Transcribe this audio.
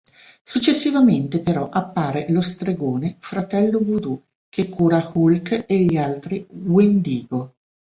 Successivamente però, appare lo stregone Fratello Voodoo, che cura Hulk e gli altri Wendigo.